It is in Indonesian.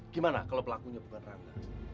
gimana kalau pelakunya bukan rana